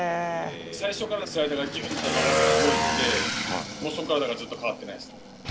最初からスライダーがぎゅんと曲がったのを覚えてて、もうそこからずっと変わってないです。